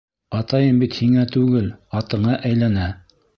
Атайым бит һиңә түгел, атыңа әйләнә!